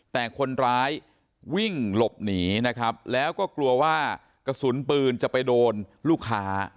แต่คนร้ายวิ่งหลบหนีนะครับแล้วก็กลัวว่ากระสุนปืนจะไปโดนลูกค้า